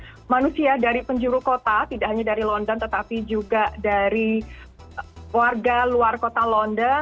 manusia dari penjuru kota tidak hanya dari london tetapi juga dari warga luar kota london